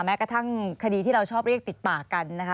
แม้กระทั่งคดีที่เราชอบเรียกติดปากกันนะคะ